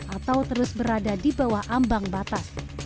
atau terus berada di bawah ambang batas